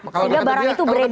sehingga barang itu beredar